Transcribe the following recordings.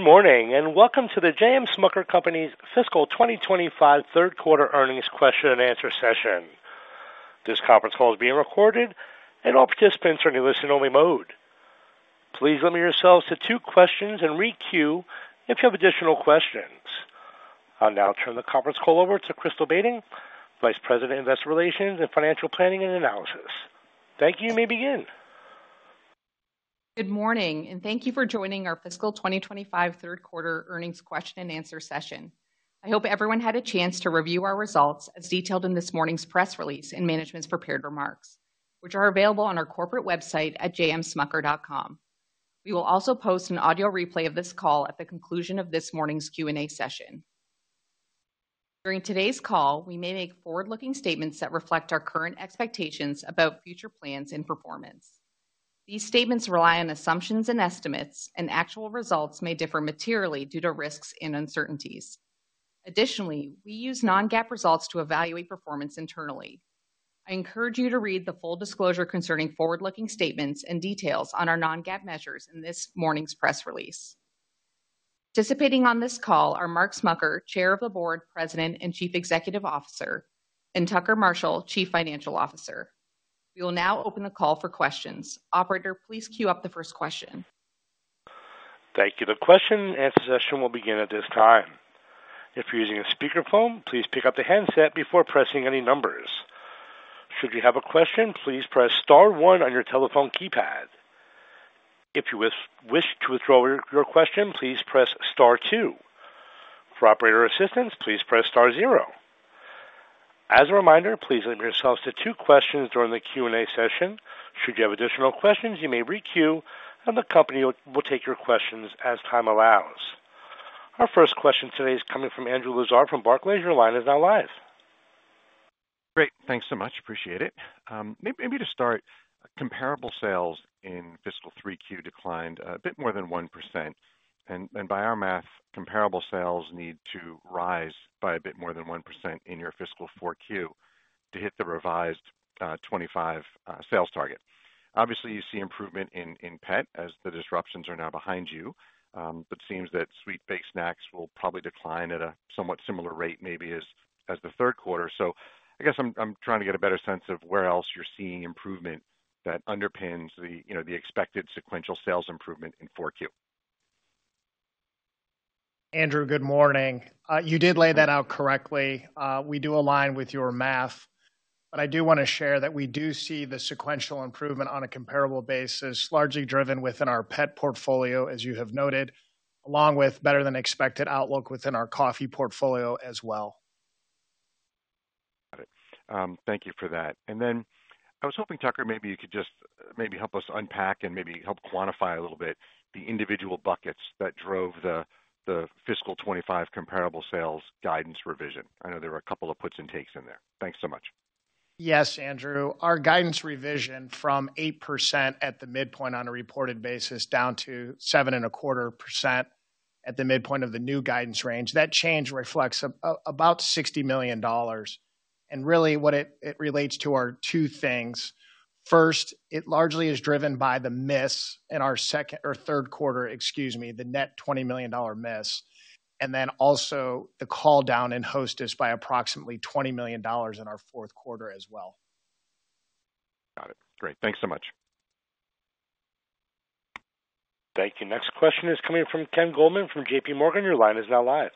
Good morning and welcome to the J.M. Smucker Company's Fiscal 2025 Third Quarter Earnings Question and Answer Session. This conference call is being recorded, and all participants are in a listen-only mode. Please limit yourselves to two questions and re-queue if you have additional questions. I'll now turn the conference call over to Crystal Beiting, Vice President of Investor Relations and Financial Planning and Analysis. Thank you, you may begin. Good morning, and thank you for joining our Fiscal 2025 Third Quarter Earnings Question and Answer Session. I hope everyone had a chance to review our results as detailed in this morning's press release and management's prepared remarks, which are available on our corporate website at jmsmucker.com. We will also post an audio replay of this call at the conclusion of this morning's Q&A session. During today's call, we may make forward-looking statements that reflect our current expectations about future plans and performance. These statements rely on assumptions and estimates, and actual results may differ materially due to risks and uncertainties. Additionally, we use Non-GAAP results to evaluate performance internally. I encourage you to read the full disclosure concerning forward-looking statements and details on our Non-GAAP measures in this morning's press release. Participating on this call are Mark Smucker, Chair of the Board, President and Chief Executive Officer, and Tucker Marshall, Chief Financial Officer. We will now open the call for questions. Operator, please queue up the first question. Thank you. The question and answer session will begin at this time. If you're using a speakerphone, please pick up the handset before pressing any numbers. Should you have a question, please press star one on your telephone keypad. If you wish to withdraw your question, please press star two. For operator assistance, please press star zero. As a reminder, please limit yourselves to two questions during the Q&A session. Should you have additional questions, you may re-queue, and the company will take your questions as time allows. Our first question today is coming from Andrew Lazar from Barclays; your line is now live. Great. Thanks so much. Appreciate it. Maybe to start, comparable sales in fiscal 3Q declined a bit more than 1%, and by our math, comparable sales need to rise by a bit more than 1% in your fiscal 4Q to hit the revised 25 sales target. Obviously, you see improvement in Pet as the disruptions are now behind you, but it seems that sweet baked snacks will probably decline at a somewhat similar rate, maybe as the third quarter, so I guess I'm trying to get a better sense of where else you're seeing improvement that underpins the expected sequential sales improvement in 4Q. Andrew, good morning. You did lay that out correctly. We do align with your math, but I do want to share that we do see the sequential improvement on a comparable basis, largely driven within our Pet portfolio, as you have noted, along with better-than-expected outlook within our coffee portfolio as well. Got it. Thank you for that. And then I was hoping, Tucker, maybe you could just maybe help us unpack and maybe help quantify a little bit the individual buckets that drove the fiscal 2025 comparable sales guidance revision. I know there were a couple of puts and takes in there. Thanks so much. Yes, Andrew. Our guidance revision from 8% at the midpoint on a reported basis down to 7.25% at the midpoint of the new guidance range. That change reflects about $60 million. And really, what it relates to are two things. First, it largely is driven by the miss in our second or third quarter, excuse me, the net $20 million miss, and then also the call down in Hostess by approximately $20 million in our fourth quarter as well. Got it. Great. Thanks so much. Thank you. Next question is coming from Ken Goldman from J.P. Morgan. Your line is now live.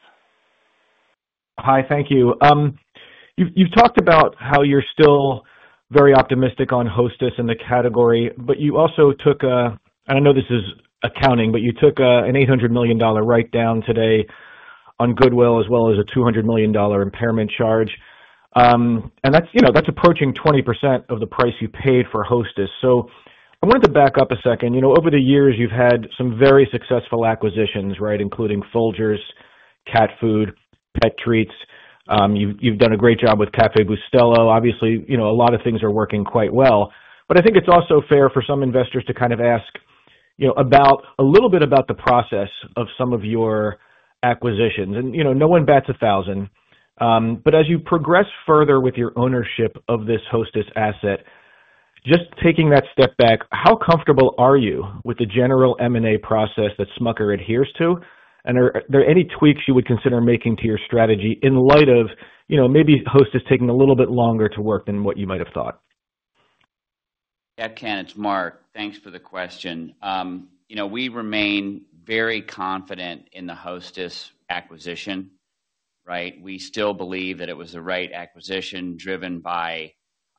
Hi, thank you. You've talked about how you're still very optimistic on Hostess in the category, but you also took a, and I know this is accounting, but you took an $800 million write-down today on goodwill, as well as a $200 million impairment charge. And that's approaching 20% of the price you paid for Hostess. So I wanted to back up a second. Over the years, you've had some very successful acquisitions, including Folgers, Cat Food, Pet Treats. You've done a great job with Café Bustelo. Obviously, a lot of things are working quite well. But I think it's also fair for some investors to kind of ask a little bit about the process of some of your acquisitions. And no one bets a thousand. But as you progress further with your ownership of this Hostess asset, just taking that step back, how comfortable are you with the general M&A process that Smucker's adheres to? And are there any tweaks you would consider making to your strategy in light of maybe Hostess taking a little bit longer to work than what you might have thought? Yeah, Ken, it's Mark. Thanks for the question. We remain very confident in the Hostess acquisition. We still believe that it was the right acquisition driven by,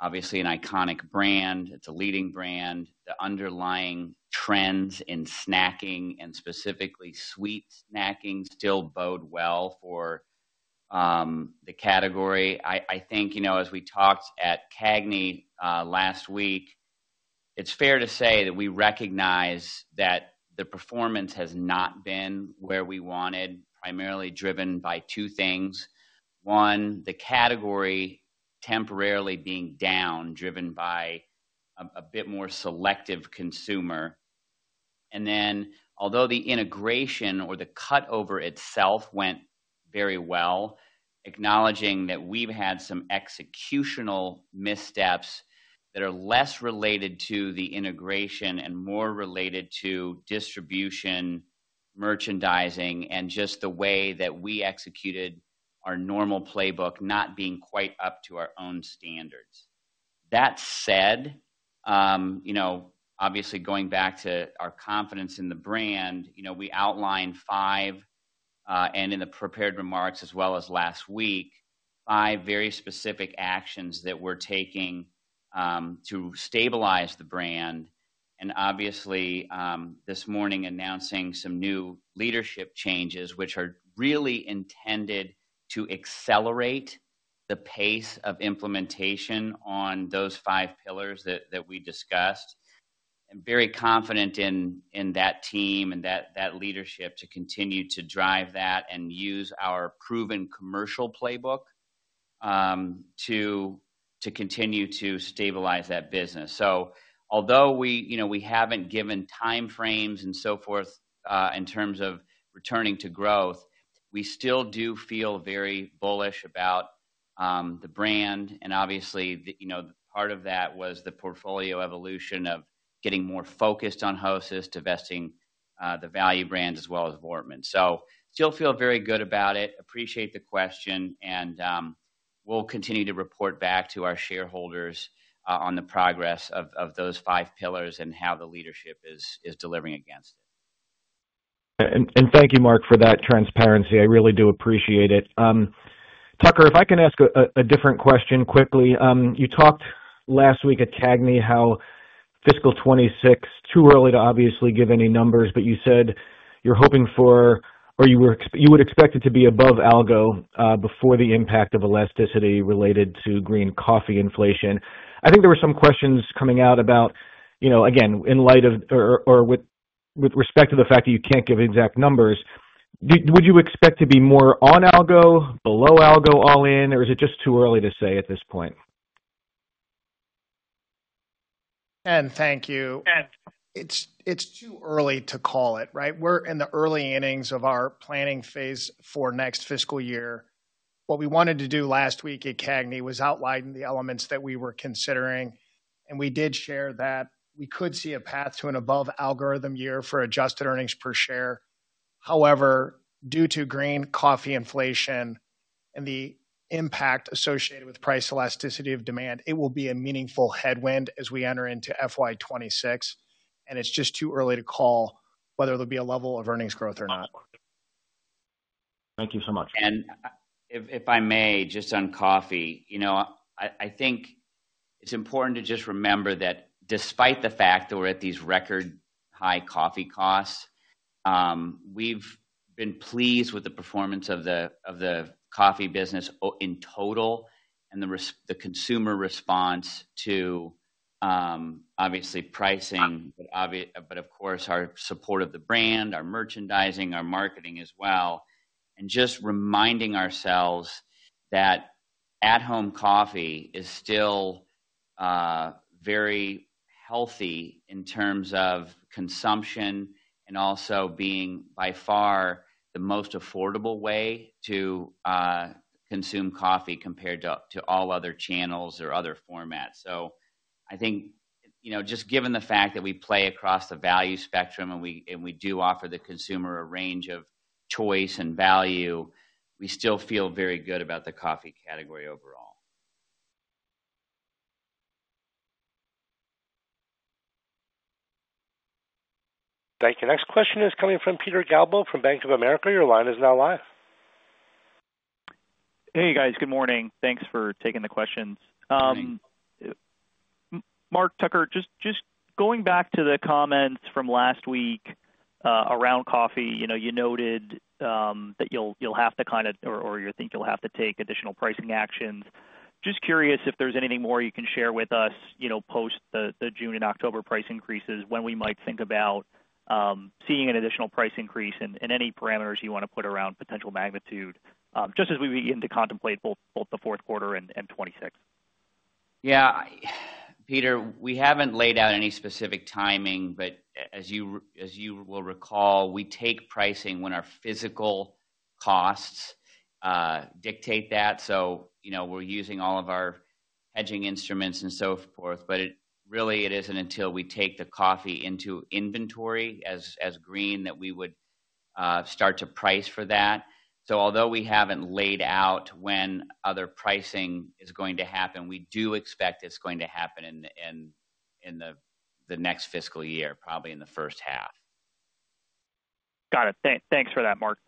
obviously, an iconic brand. It's a leading brand. The underlying trends in snacking, and specifically sweet snacking, still bode well for the category. I think as we talked at CAGNY last week, it's fair to say that we recognize that the performance has not been where we wanted, primarily driven by two things. One, the category temporarily being down driven by a bit more selective consumer. And then, although the integration or the cutover itself went very well, acknowledging that we've had some executional missteps that are less related to the integration and more related to distribution, merchandising, and just the way that we executed our normal playbook, not being quite up to our own standards. That said, obviously, going back to our confidence in the brand, we outlined five, and in the prepared remarks, as well as last week, five very specific actions that we're taking to stabilize the brand. And obviously, this morning announcing some new leadership changes, which are really intended to accelerate the pace of implementation on those five pillars that we discussed. And very confident in that team and that leadership to continue to drive that and use our proven commercial playbook to continue to stabilize that business. So although we haven't given time frames and so forth in terms of returning to growth, we still do feel very bullish about the brand. And obviously, part of that was the portfolio evolution of getting more focused on Hostess, divesting the value brand as well as Voortman. So still feel very good about it. Appreciate the question, and we'll continue to report back to our shareholders on the progress of those five pillars and how the leadership is delivering against it. And thank you, Mark, for that transparency. I really do appreciate it. Tucker, if I can ask a different question quickly. You talked last week at CAGNY how fiscal 2026, too early to obviously give any numbers, but you said you're hoping for, or you would expect it to be above algo before the impact of elasticity related to green coffee inflation. I think there were some questions coming out about, again, in light of, or with respect to the fact that you can't give exact numbers. Would you expect to be more on algo, below algo, all in, or is it just too early to say at this point? Ken, thank you. It's too early to call it. We're in the early innings of our planning phase for next fiscal year. What we wanted to do last week at CAGNY was outline the elements that we were considering. And we did share that we could see a path to an above algo year for adjusted earnings per share. However, due to green coffee inflation and the impact associated with price elasticity of demand, it will be a meaningful headwind as we enter into FY26. And it's just too early to call whether there'll be a level of earnings growth or not. Thank you so much. If I may, just on coffee, I think it's important to just remember that despite the fact that we're at these record high coffee costs, we've been pleased with the performance of the coffee business in total and the consumer response to, obviously, pricing, but of course, our support of the brand, our merchandising, our marketing as well. Just reminding ourselves that at-home coffee is still very healthy in terms of consumption and also being by far the most affordable way to consume coffee compared to all other channels or other formats. I think just given the fact that we play across the value spectrum and we do offer the consumer a range of choice and value, we still feel very good about the coffee category overall. Thank you. Next question is coming from Peter Galbo from Bank of America. Your line is now live. Hey, guys. Good morning. Thanks for taking the questions. Mark, Tucker, just going back to the comments from last week around coffee, you noted that you'll have to kind of, or you think you'll have to take additional pricing actions. Just curious if there's anything more you can share with us post the June and October price increases, when we might think about seeing an additional price increase in any parameters you want to put around potential magnitude, just as we begin to contemplate both the fourth quarter and 2026. Yeah. Peter, we haven't laid out any specific timing, but as you will recall, we take pricing when our physical costs dictate that. So we're using all of our hedging instruments and so forth. But really, it isn't until we take the coffee into inventory as green that we would start to price for that. So although we haven't laid out when other pricing is going to happen, we do expect it's going to happen in the next fiscal year, probably in the first half. Got it. Thanks for that, Mark.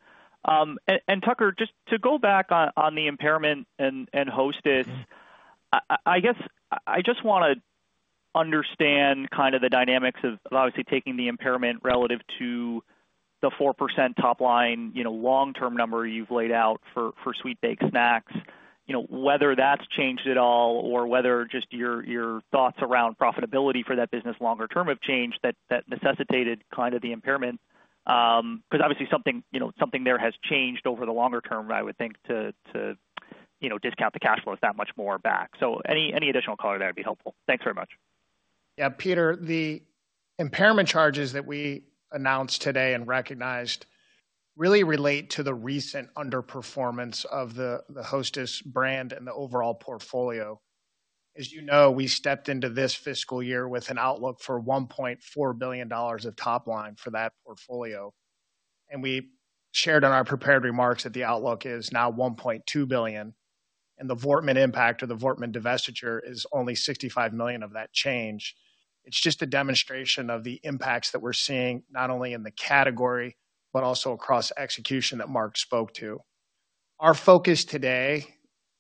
And Tucker, just to go back on the impairment and Hostess, I guess I just want to understand kind of the dynamics of obviously taking the impairment relative to the 4% top line, long-term number you've laid out for sweet baked snacks, whether that's changed at all or whether just your thoughts around profitability for that business longer term have changed that necessitated kind of the impairment. Because obviously, something there has changed over the longer term, I would think, to discount the cash flows that much more back. So any additional color there would be helpful. Thanks very much. Yeah. Peter, the impairment charges that we announced today and recognized really relate to the recent underperformance of the Hostess brand and the overall portfolio. As you know, we stepped into this fiscal year with an outlook for $1.4 billion of top line for that portfolio, and we shared in our prepared remarks that the outlook is now $1.2 billion, and the Voortman impact or the Voortman divestiture is only $65 million of that change. It's just a demonstration of the impacts that we're seeing not only in the category, but also across execution that Mark spoke to. Our focus today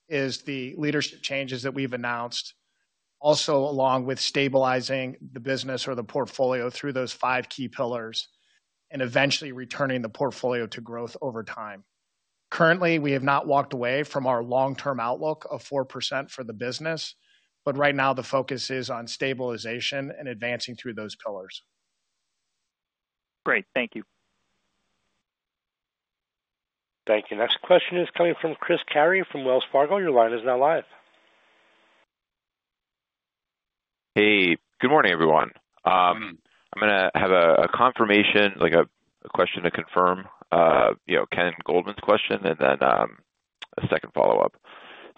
is the leadership changes that we've announced, also along with stabilizing the business or the portfolio through those five key pillars and eventually returning the portfolio to growth over time. Currently, we have not walked away from our long-term outlook of 4% for the business, but right now, the focus is on stabilization and advancing through those pillars. Great. Thank you. Thank you. Next question is coming from Chris Carey from Wells Fargo. Your line is now live. Hey. Good morning, everyone. I'm going to have a confirmation, a question to confirm Ken Goldman's question, and then a second follow-up.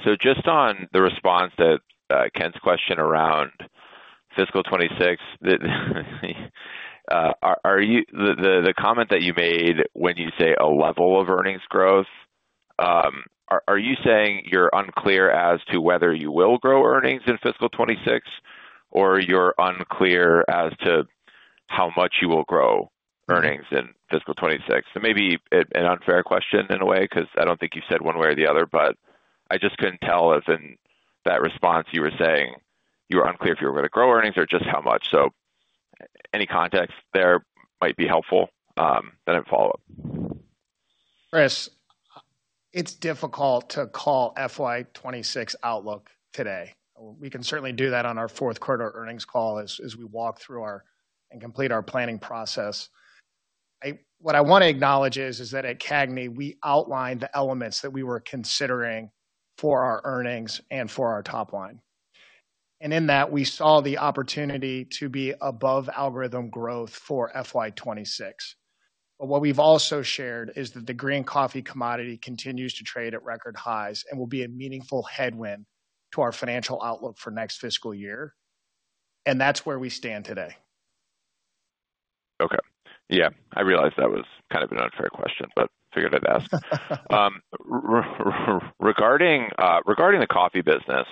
So just on the response to Ken's question around fiscal 2026, the comment that you made when you say a level of earnings growth, are you saying you're unclear as to whether you will grow earnings in fiscal 2026, or you're unclear as to how much you will grow earnings in fiscal 2026? And maybe an unfair question in a way because I don't think you said one way or the other, but I just couldn't tell as in that response you were saying you were unclear if you were going to grow earnings or just how much. So any context there might be helpful. Then I'd follow up. Chris, it's difficult to call FY2026 outlook today. We can certainly do that on our fourth quarter earnings call as we walk through and complete our planning process. What I want to acknowledge is that at CAGNY, we outlined the elements that we were considering for our earnings and for our top line, and in that, we saw the opportunity to be above algo growth for FY2026, but what we've also shared is that the green coffee commodity continues to trade at record highs and will be a meaningful headwind to our financial outlook for next fiscal year, and that's where we stand today. Okay. Yeah. I realized that was kind of an unfair question, but figured I'd ask. Regarding the coffee business,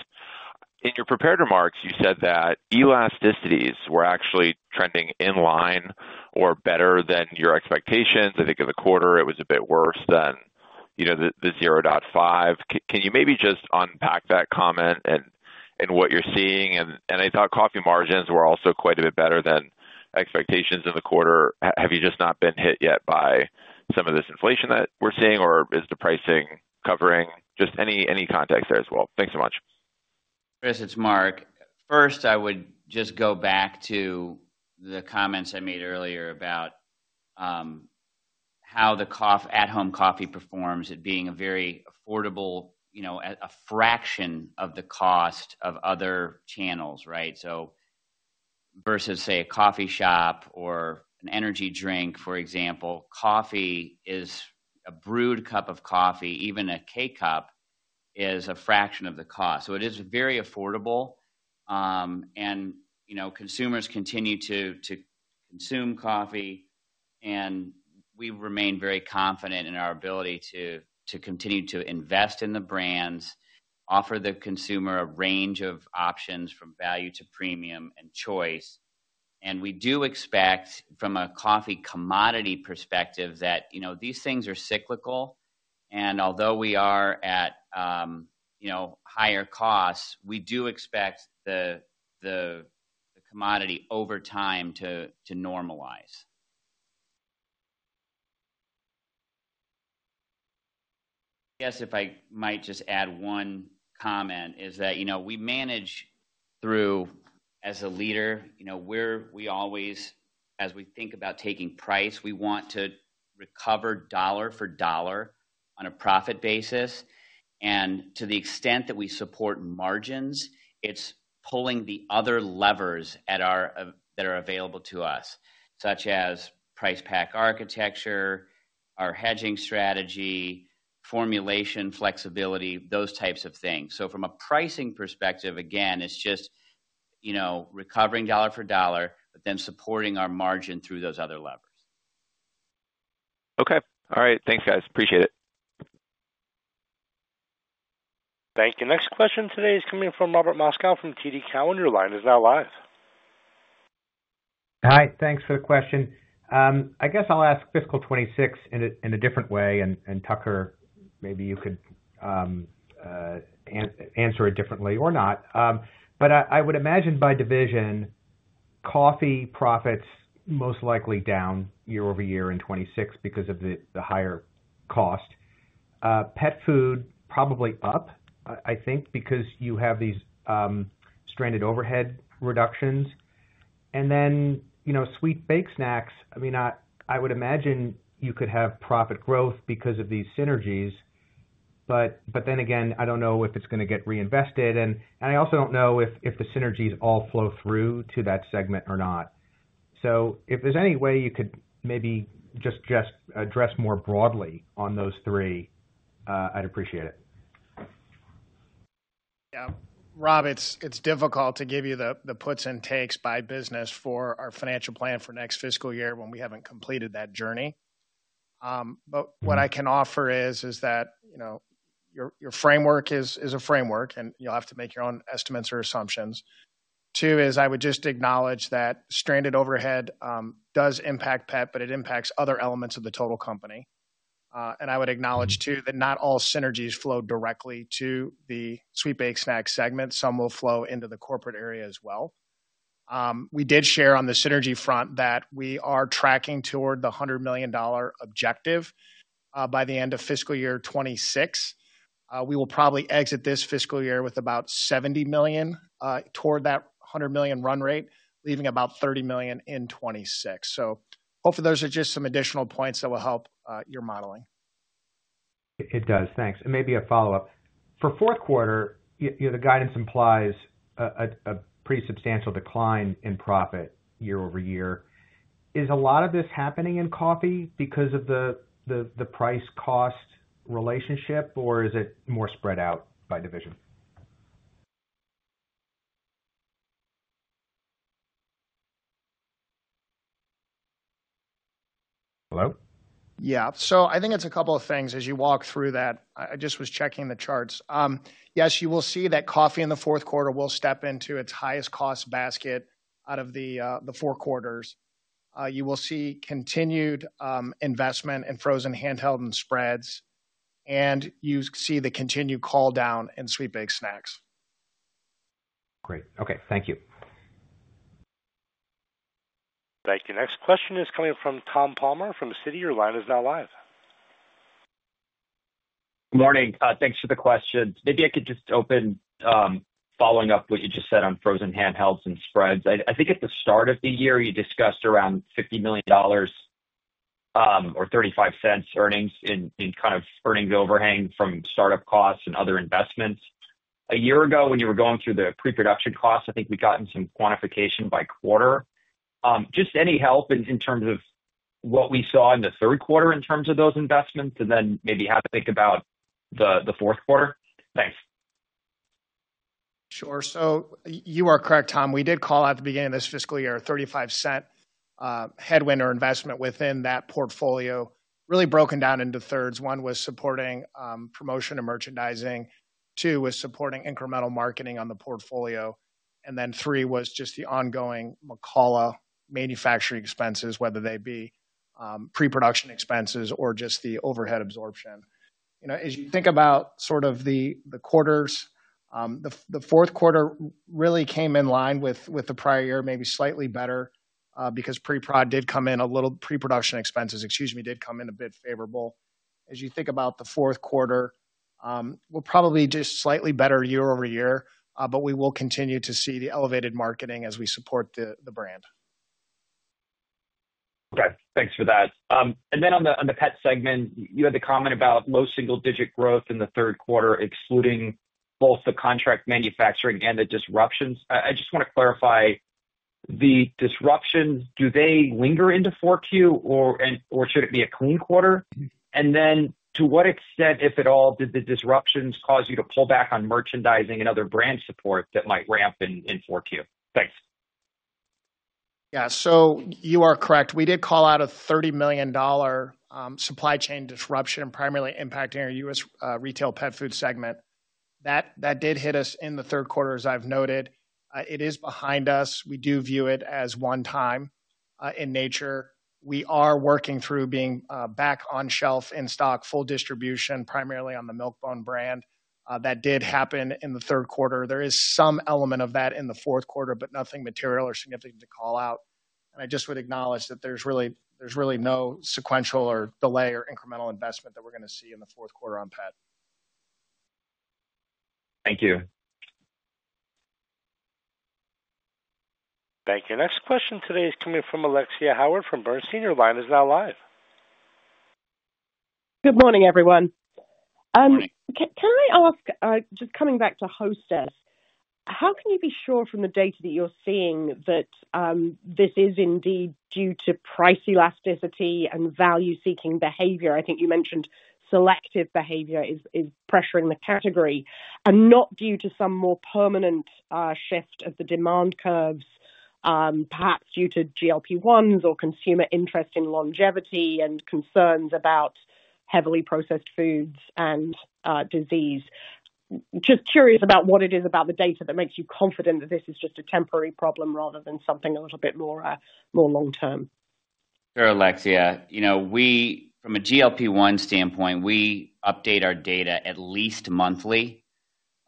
in your prepared remarks, you said that elasticities were actually trending in line or better than your expectations. I think in the quarter, it was a bit worse than the 0.5. Can you maybe just unpack that comment and what you're seeing? And I thought coffee margins were also quite a bit better than expectations in the quarter. Have you just not been hit yet by some of this inflation that we're seeing, or is the pricing covering? Just any context there as well? Thanks so much. Chris, it's Mark. First, I would just go back to the comments I made earlier about how the at-home coffee performs at being a very affordable, a fraction of the cost of other channels. So versus, say, a coffee shop or an energy drink, for example, coffee is a brewed cup of coffee, even a K-Cup, is a fraction of the cost. So it is very affordable. And consumers continue to consume coffee. And we remain very confident in our ability to continue to invest in the brands, offer the consumer a range of options from value to premium and choice. And we do expect from a coffee commodity perspective that these things are cyclical. And although we are at higher costs, we do expect the commodity over time to normalize. I guess if I might just add one comment, is that we manage through as a leader. We always, as we think about taking price, we want to recover dollar for dollar on a profit basis. And to the extent that we support margins, it's pulling the other levers that are available to us, such as price pack architecture, our hedging strategy, formulation, flexibility, those types of things. So from a pricing perspective, again, it's just recovering dollar for dollar, but then supporting our margin through those other levers. Okay. All right. Thanks, guys. Appreciate it. Thank you. Next question today is coming from Robert Moskow from TD Cowen. He's now live. Hi. Thanks for the question. I guess I'll ask fiscal 2026 in a different way, and Tucker, maybe you could answer it differently or not, but I would imagine by division, coffee profits most likely down year-over-year in 2026 because of the higher cost. Pet food probably up, I think, because you have these stranded overhead reductions. And then sweet baked snacks, I mean, I would imagine you could have profit growth because of these synergies, but then again, I don't know if it's going to get reinvested, and I also don't know if the synergies all flow through to that segment or not, so if there's any way you could maybe just address more broadly on those three, I'd appreciate it. Yeah. Rob, it's difficult to give you the puts and takes by business for our financial plan for next fiscal year when we haven't completed that journey. But what I can offer is that your framework is a framework, and you'll have to make your own estimates or assumptions. Two is I would just acknowledge that stranded overhead does impact pet, but it impacts other elements of the total company. And I would acknowledge too that not all synergies flow directly to the sweet baked snack segment. Some will flow into the corporate area as well. We did share on the synergy front that we are tracking toward the $100 million objective by the end of fiscal year 2026. We will probably exit this fiscal year with about $70 million toward that $100 million run rate, leaving about $30 million in 2026. So hopefully, those are just some additional points that will help your modeling. It does. Thanks. And maybe a follow-up. For fourth quarter, the guidance implies a pretty substantial decline in profit year-over-year. Is a lot of this happening in coffee because of the price-cost relationship, or is it more spread out by division? Hello? Yeah. So I think it's a couple of things as you walk through that. I just was checking the charts. Yes, you will see that coffee in the fourth quarter will step into its highest cost basket out of the four quarters. You will see continued investment in frozen handheld and spreads, and you see the continued call down in sweet baked snacks. Great. Okay. Thank you. Thank you. Next question is coming from Tom Palmer from Citi. Your line is now live. Good morning. Thanks for the question. Maybe I could just open following up what you just said on frozen handhelds and spreads. I think at the start of the year, you discussed around $50 million or $0.35 earnings in kind of earnings overhang from startup costs and other investments. A year ago, when you were going through the pre-production costs, I think we got in some quantification by quarter. Just any help in terms of what we saw in the third quarter in terms of those investments and then maybe have to think about the fourth quarter? Thanks. Sure. So you are correct, Tom. We did call out at the beginning of this fiscal year a $0.35 headwind or investment within that portfolio, really broken down into thirds. One was supporting promotion and merchandising. Two was supporting incremental marketing on the portfolio. And then three was just the ongoing McCalla manufacturing expenses, whether they be pre-production expenses or just the overhead absorption. As you think about sort of the quarters, the fourth quarter really came in line with the prior year, maybe slightly better because pre-prod did come in a little pre-production expenses, excuse me, did come in a bit favorable. As you think about the fourth quarter, we'll probably do slightly better year over year, but we will continue to see the elevated marketing as we support the brand. Okay. Thanks for that. And then on the pet segment, you had the comment about low single-digit growth in the third quarter, excluding both the contract manufacturing and the disruptions. I just want to clarify the disruptions. Do they linger into 4Q, or should it be a clean quarter? And then to what extent, if at all, did the disruptions cause you to pull back on merchandising and other brand support that might ramp in 4Q? Thanks. Yeah. So you are correct. We did call out a $30 million supply chain disruption and primarily impacting our U.S. retail pet food segment. That did hit us in the third quarter, as I've noted. It is behind us. We do view it as one-time in nature. We are working through being back on shelf in stock, full distribution, primarily on the Milk-Bone brand. That did happen in the third quarter. There is some element of that in the fourth quarter, but nothing material or significant to call out. And I just would acknowledge that there's really no sequential or delay or incremental investment that we're going to see in the fourth quarter on pet. Thank you. Thank you. Next question today is coming from Alexia Howard from Bernstein. Line is now live. Good morning, everyone. Can I ask, just coming back to Hostess, how can you be sure from the data that you're seeing that this is indeed due to price elasticity and value-seeking behavior? I think you mentioned selective behavior is pressuring the category and not due to some more permanent shift of the demand curves, perhaps due to GLP-1 or consumer interest in longevity and concerns about heavily processed foods and disease. Just curious about what it is about the data that makes you confident that this is just a temporary problem rather than something a little bit more long-term. Sure, Alexia. From a GLP-1 standpoint, we update our data at least monthly,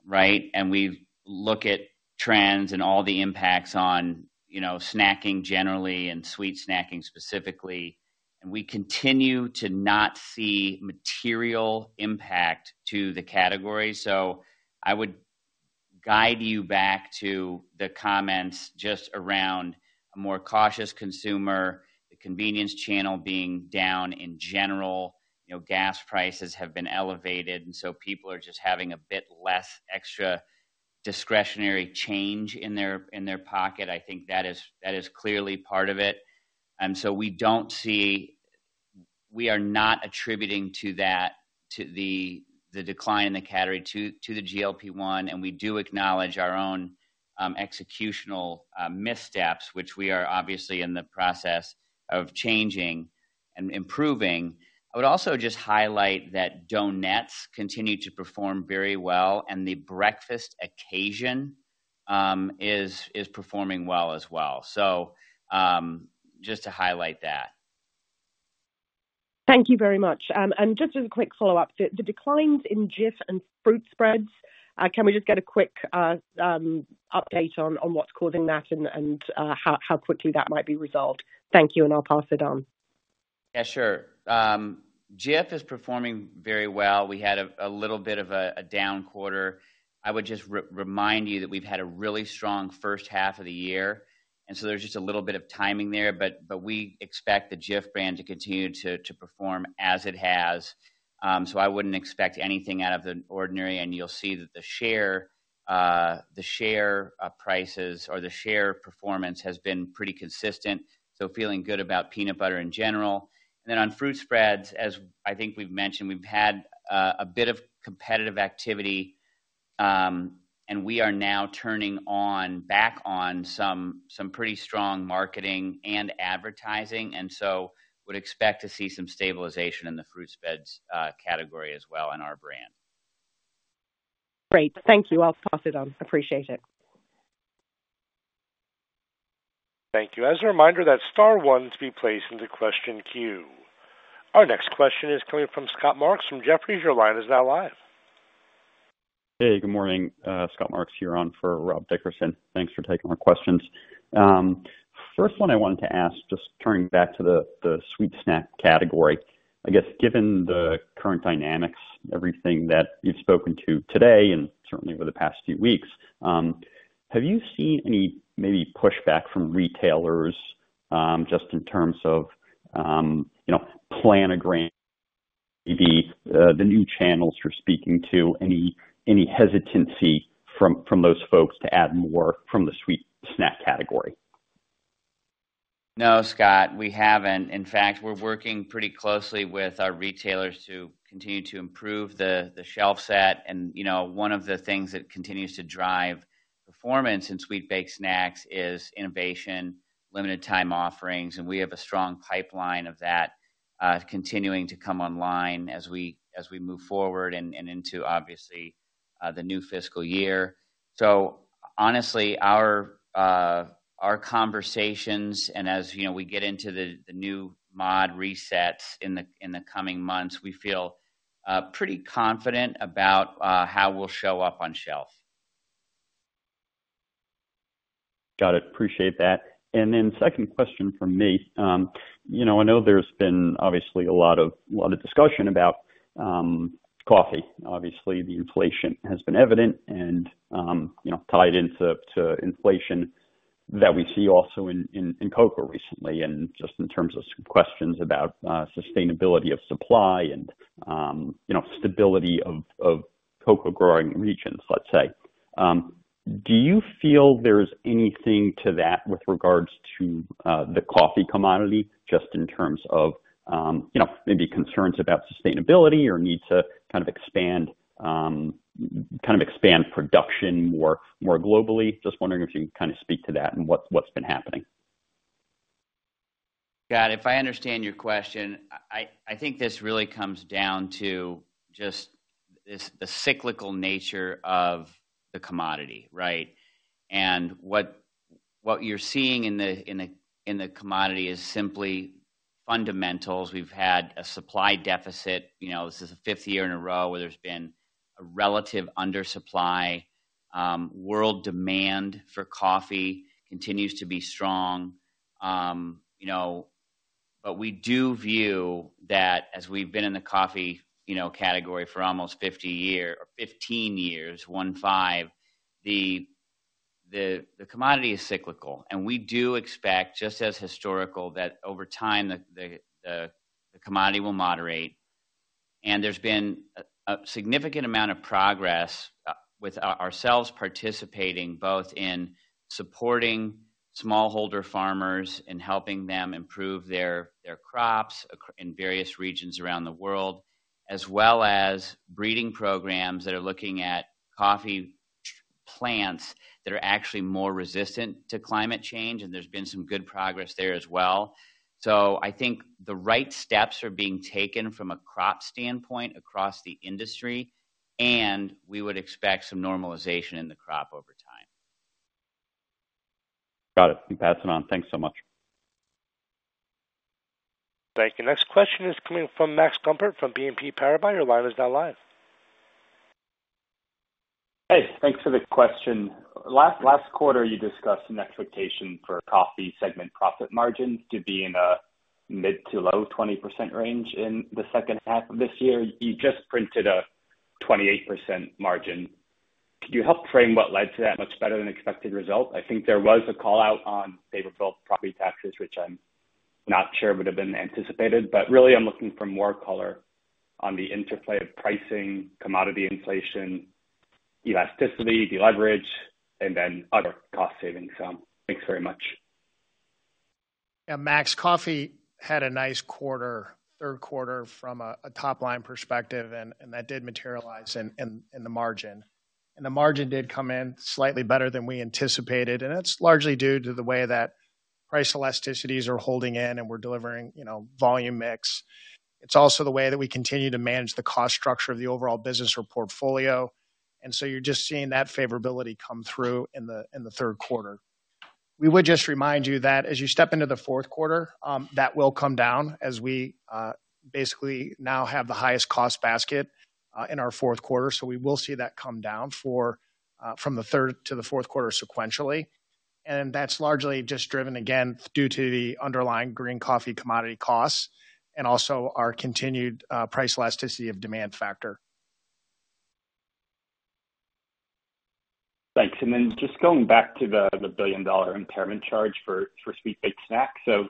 right? And we look at trends and all the impacts on snacking generally and sweet snacking specifically. And we continue to not see material impact to the category. So I would guide you back to the comments just around a more cautious consumer, the convenience channel being down in general. Gas prices have been elevated, and so people are just having a bit less extra discretionary change in their pocket. I think that is clearly part of it. And so we are not attributing to that, to the decline in the category, to the GLP-1. And we do acknowledge our own executional missteps, which we are obviously in the process of changing and improving. I would also just highlight that donuts continue to perform very well, and the breakfast occasion is performing well as well. So just to highlight that. Thank you very much. And just as a quick follow-up, the declines in Jif and fruit spreads, can we just get a quick update on what's causing that and how quickly that might be resolved? Thank you, and I'll pass it on. Yeah, sure. Jif is performing very well. We had a little bit of a down quarter. I would just remind you that we've had a really strong first half of the year. And so there's just a little bit of timing there, but we expect the Jif brand to continue to perform as it has. So I wouldn't expect anything out of the ordinary. And you'll see that the share prices or the share performance has been pretty consistent. So feeling good about peanut butter in general. And then on fruit spreads, as I think we've mentioned, we've had a bit of competitive activity, and we are now turning back on some pretty strong marketing and advertising. And so we would expect to see some stabilization in the fruit spreads category as well in our brand. Great. Thank you. I'll pass it on. Appreciate it. Thank you. As a reminder, that star one is being placed into question queue. Our next question is coming from Scott Marks from Jefferies. Your line is now live. Hey, good morning. Scott Marks here on for Rob Dickerson. Thanks for taking our questions. First one I wanted to ask, just turning back to the sweet snack category, I guess given the current dynamics, everything that you've spoken to today and certainly over the past few weeks, have you seen any maybe pushback from retailers just in terms of planogram, maybe the new channels you're speaking to, any hesitancy from those folks to add more from the sweet snack category? No, Scott, we haven't. In fact, we're working pretty closely with our retailers to continue to improve the shelf set. And one of the things that continues to drive performance in sweet baked snacks is innovation, limited-time offerings. And we have a strong pipeline of that continuing to come online as we move forward and into, obviously, the new fiscal year. So honestly, our conversations and as we get into the new mod resets in the coming months, we feel pretty confident about how we'll show up on shelf. Got it. Appreciate that. And then second question from me. I know there's been obviously a lot of discussion about coffee. Obviously, the inflation has been evident and tied into inflation that we see also in cocoa recently and just in terms of some questions about sustainability of supply and stability of cocoa-growing regions, let's say. Do you feel there's anything to that with regards to the coffee commodity just in terms of maybe concerns about sustainability or need to kind of expand production more globally? Just wondering if you can kind of speak to that and what's been happening. Good, if I understand your question, I think this really comes down to just the cyclical nature of the commodity, right? And what you're seeing in the commodity is simply fundamentals. We've had a supply deficit. This is the fifth year in a row where there's been a relative undersupply. World demand for coffee continues to be strong. But we do view that as we've been in the coffee category for almost 15 years, one five, the commodity is cyclical. And we do expect, just as historical, that over time the commodity will moderate. And there's been a significant amount of progress with ourselves participating both in supporting smallholder farmers and helping them improve their crops in various regions around the world, as well as breeding programs that are looking at coffee plants that are actually more resistant to climate change. And there's been some good progress there as well. I think the right steps are being taken from a crop standpoint across the industry. We would expect some normalization in the crop over time. Got it. You pass it on. Thanks so much. Thank you. Next question is coming from Max Gumport from BNP Paribas. Your line is now live. Hey, thanks for the question. Last quarter, you discussed an expectation for coffee segment profit margins to be in a mid- to low-20% range in the second half of this year. You just printed a 28% margin. Could you help frame what led to that much better than expected result? I think there was a call out on favorable property taxes, which I'm not sure would have been anticipated. But really, I'm looking for more color on the interplay of pricing, commodity inflation, elasticity, deleverage, and then other cost savings. So thanks very much. Yeah, Max, coffee had a nice quarter, third quarter from a top-line perspective, and that did materialize in the margin. And the margin did come in slightly better than we anticipated. And that's largely due to the way that price elasticities are holding in and we're delivering volume mix. It's also the way that we continue to manage the cost structure of the overall business or portfolio. And so you're just seeing that favorability come through in the third quarter. We would just remind you that as you step into the fourth quarter, that will come down as we basically now have the highest cost basket in our fourth quarter. So we will see that come down from the third to the fourth quarter sequentially. And that's largely just driven, again, due to the underlying green coffee commodity costs and also our continued price elasticity of demand factor. Thanks. And then just going back to the billion-dollar impairment charge for sweet baked snacks. So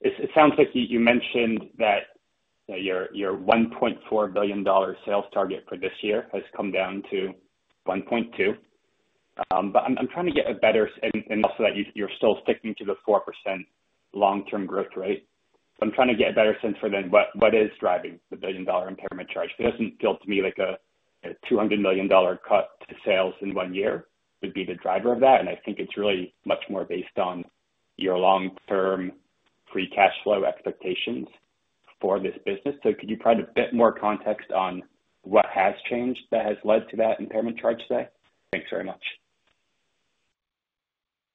it sounds like you mentioned that your $1.4 billion sales target for this year has come down to $1.2 billion. But I'm trying to get a better sense and also that you're still sticking to the 4% long-term growth rate. So I'm trying to get a better sense for then what is driving the billion-dollar impairment charge. It doesn't feel to me like a $200 million cut to sales in one year would be the driver of that. And I think it's really much more based on your long-term free cash flow expectations for this business. So could you provide a bit more context on what has changed that has led to that impairment charge today? Thanks very much.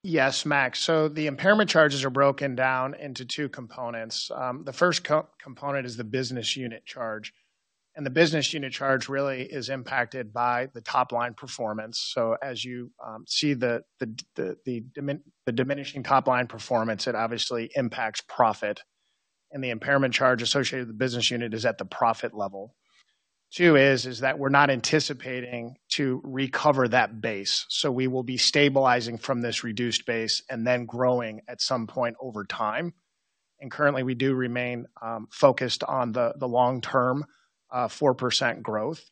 Yes, Max. So the impairment charges are broken down into two components. The first component is the business unit charge. And the business unit charge really is impacted by the top-line performance. So as you see the diminishing top-line performance, it obviously impacts profit. And the impairment charge associated with the business unit is at the profit level. Two is that we're not anticipating to recover that base. So we will be stabilizing from this reduced base and then growing at some point over time. And currently, we do remain focused on the long-term 4% growth.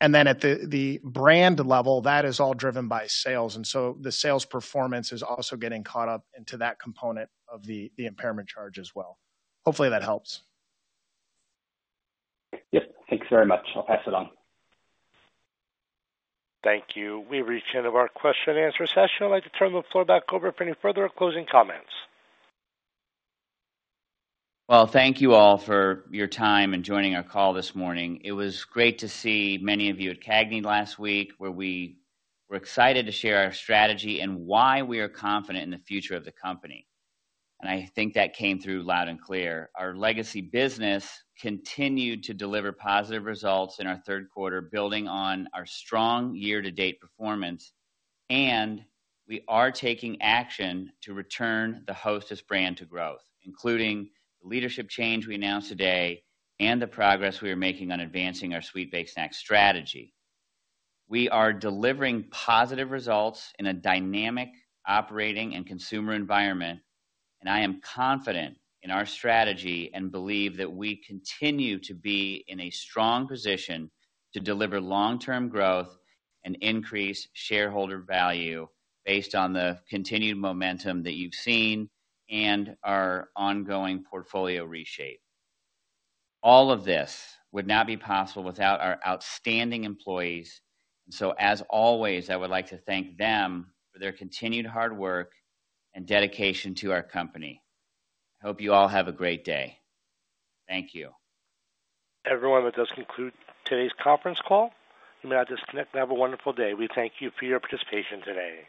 And then at the brand level, that is all driven by sales. And so the sales performance is also getting caught up into that component of the impairment charge as well. Hopefully, that helps. Yep. Thanks very much. I'll pass it on. Thank you. We've reached the end of our question-and-answer session. I'd like to turn the floor back over for any further closing comments. Thank you all for your time and joining our call this morning. It was great to see many of you at CAGNY last week where we were excited to share our strategy and why we are confident in the future of the company. I think that came through loud and clear. Our legacy business continued to deliver positive results in our third quarter, building on our strong year-to-date performance. We are taking action to return the Hostess brand to growth, including the leadership change we announced today and the progress we are making on advancing our sweet baked snack strategy. We are delivering positive results in a dynamic operating and consumer environment. I am confident in our strategy and believe that we continue to be in a strong position to deliver long-term growth and increase shareholder value based on the continued momentum that you've seen and our ongoing portfolio reshape. All of this would not be possible without our outstanding employees. So, as always, I would like to thank them for their continued hard work and dedication to our company. I hope you all have a great day. Thank you. Everyone, let's just conclude today's conference call. You may now disconnect and have a wonderful day. We thank you for your participation today.